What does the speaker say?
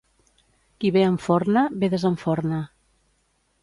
Qui bé enforna, bé desenforna.